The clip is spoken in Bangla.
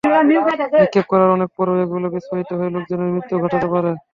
নিক্ষেপ করার অনেক পরেও এগুলো বিস্ফোরিত হয়ে লোকজনের মৃত্যু ঘটাতে পারে।